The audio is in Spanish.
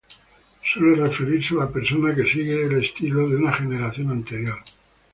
Suele referirse a la persona que sigue el estilo de una generación anterior.